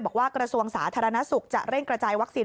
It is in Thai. กระทรวงสาธารณสุขจะเร่งกระจายวัคซีน